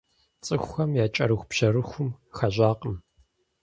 ЦӀыхухэм я кӀэрыхубжьэрыхум хэщӀакъым.